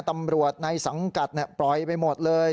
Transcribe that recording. ตำรวจในสังกัดปล่อยไปหมดเลย